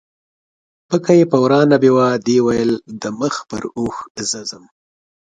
پکه یې په وراه نه بیوه، دې ویل د مخ پر اوښ زه ځم